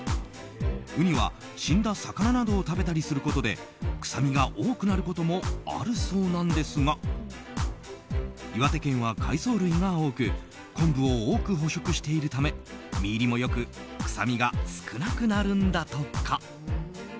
ウニは死んだ魚などを食べたりすることで臭みが多くなることもあるそうなんですが岩手県は海藻類が多く昆布を多く捕食しているため実入りも良く臭みが少なくなるんだとか。